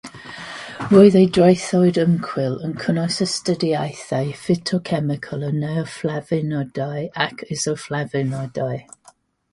Roedd ei draethawd ymchwil yn cynnwys astudiaethau ffytocemegol o neoflavonoidau ac isoflavonoidau.